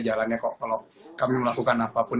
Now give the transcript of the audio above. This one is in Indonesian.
jalannya kok kalau kami melakukan apapun